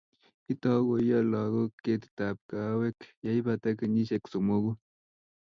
itou koiyo lokoek ketitab kaawek yeibata kenyisiek somoku